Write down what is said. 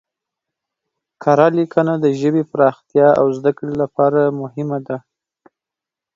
کره لیکنه د ژبې پراختیا او زده کړې لپاره مهمه ده.